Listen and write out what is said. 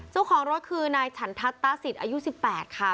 เจ้าของรถคือนายฉันทัศตาสิทธิ์อายุ๑๘ค่ะ